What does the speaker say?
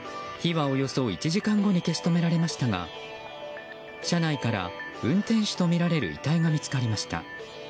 火はおよそ１時間後に消し止められましたが車内から運転手とみられる遺体が見つかりました。